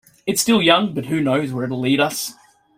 It's still young, but who knows where it will lead us.